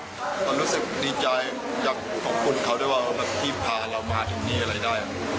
มันรู้สึกดีใจอยากขอบคุณเขาด้วยว่าที่พาเรามาถึงนี่อะไรได้